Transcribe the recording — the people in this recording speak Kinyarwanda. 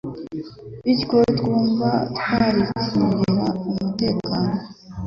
bityo twumva twaricungira umutekano